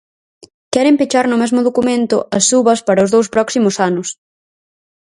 Queren pechar no mesmo documento as subas para os dous próximos anos.